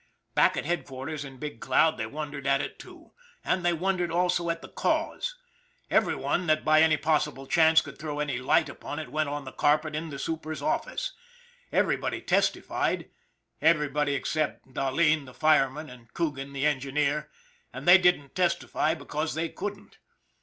Back at headquarters in Big Cloud they wondered at it, too and they wondered also at the cause. Every one that by any possible chance could throw any light upon it went on the carpet in the super's office. Every body testified everybody except Dahleen, the fireman, and Coogan, the engineer; and they didn't testify be cause they couldn't.